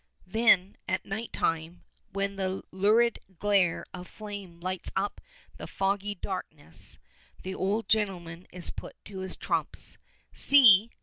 Then at night time, when the lurid glare of flame lights up the foggy darkness, the old gentleman is put to his trumps. "See!"